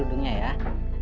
aku memang bodoh